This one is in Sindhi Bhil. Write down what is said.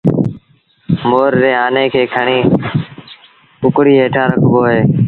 مور ري آني کي کڻي ڪڪڙيٚ هيٺآن رکبو اهي